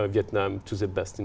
để trả tiền